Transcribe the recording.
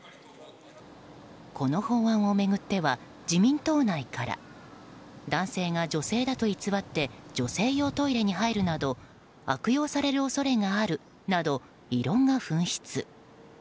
この法案を巡っては自民党内から男性が女性だと偽って女性用トイレに入るなど悪用される恐れがあるなど異論が噴出。